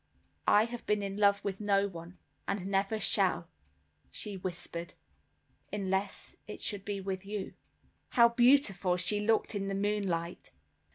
"I have been in love with no one, and never shall," she whispered, "unless it should be with you." How beautiful she looked in the moonlight!